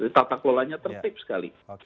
jadi tata kelolanya tertib sekali